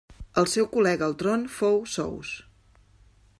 El seu col·lega al tron fou Sous.